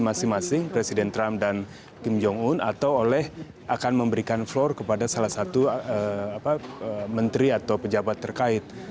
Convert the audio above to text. masing masing presiden trump dan kim jong un atau oleh akan memberikan floor kepada salah satu menteri atau pejabat terkait